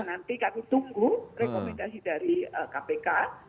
nanti kami tunggu rekomendasi dari kpk